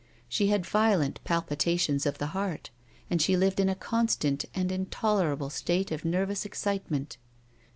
She had violent palpitations of the heart, and she lived in a constant and intolerable state of nervous excitement.